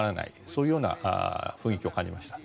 そういう雰囲気を感じました。